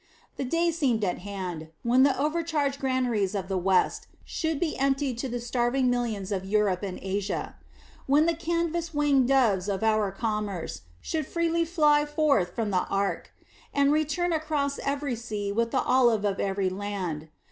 The day seemed at hand when the overcharged granaries of the West should be emptied to the starving millions of Europe and Asia; when the canvas winged doves of our commerce should freely fly forth from the ark, and return across every sea with the olive of every land.